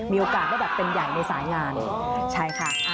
มีโอกาสได้แบบเป็นใหญ่ในสายงานใช่ค่ะ